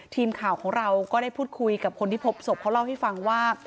ทีมข่าวของเราก็ได้พูดคุยกับคนที่พบศพเขาเล่าให้ฟังว่า